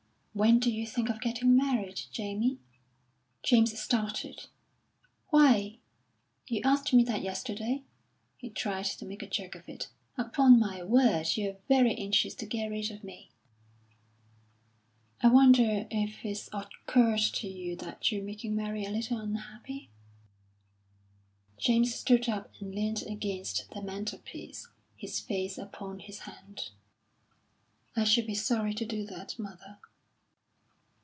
"When do you think of getting married, Jamie?" James started. "Why, you asked me that yesterday," He tried to make a joke of it. "Upon my word, you're very anxious to get rid of me." "I wonder if it's occurred to you that you're making Mary a little unhappy?" James stood up and leaned against the mantelpiece, his face upon his hand. "I should be sorry to do that, mother."